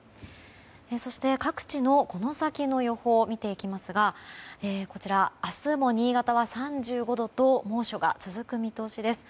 そして各地のこの先の予報を見ていきますが明日も新潟は３５度と猛暑が続く見通しです。